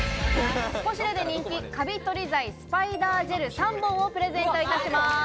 ポシュレで人気「カビ取り剤スパイダージェル３本」をプレゼントいたします。